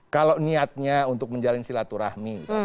kalau niatnya untuk menjalin silaturahmi